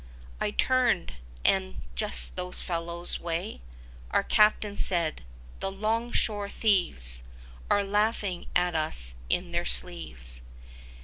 75 I turned, and "Just those fellows' way", Our captain said, "The 'long shore thieves Are laughing at us in their sleeves."